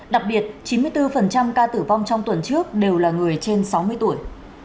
đặc biệt chín mươi bốn ca tử vong trong tuần trước đều là người trên sáu mươi tuổi